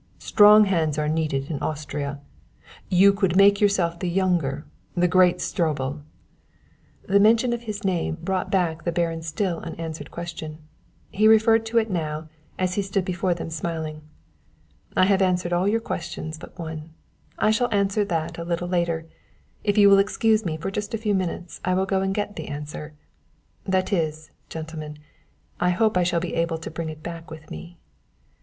Strong hands are needed in Austria, you could make yourself the younger the great Stroebel " The mention of his name brought back the Baron's still unanswered question. He referred to it now, as he stood before them smiling. "I have answered all your questions but one; I shall answer that a little later, if you will excuse me for just a few minutes I will go and get the answer, that is, gentlemen, I hope I shall be able to bring it back with me."